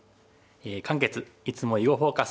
漢傑いつも「囲碁フォーカス」